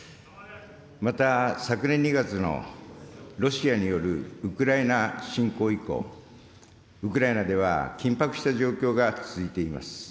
また、昨年２月のロシアによるウクライナ侵攻以降、ウクライナでは緊迫した状況が続いています。